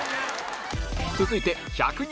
続いて１００人